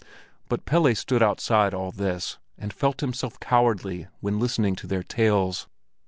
But Pelle stood out side all this, and felt himself cowardly when listening to their tales.